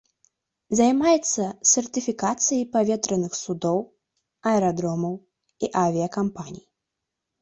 Займаецца сертыфікацыяй паветраных судоў, аэрадромаў і авіякампаній.